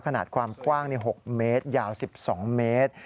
ขนาดความกว้าง๖เมตรยาว๑๒เมตร